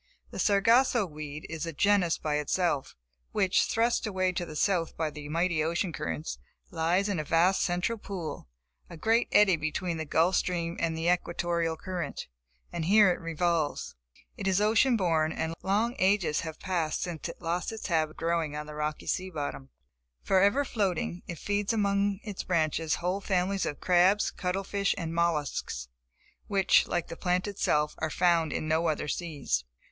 The Sargasso weed is a genus by itself, which, thrust away to the south by the mighty ocean currents, lies in a vast central pool, a great eddy between the Gulf Stream and the Equatorial current; and here it revolves. It is ocean born, and long ages have passed since it lost its habit of growing on the rocky sea bottom. Forever floating it feeds among its branches whole families of crabs, cuttle fish and mollusks, which like the plant itself, are found in no other seas.